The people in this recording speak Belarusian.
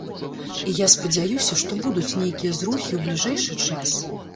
І я спадзяюся, што будуць нейкія зрухі ў бліжэйшы час.